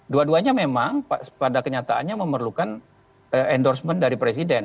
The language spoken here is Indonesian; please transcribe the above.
dua duanya memang pada kenyataannya memerlukan endorsement dari presiden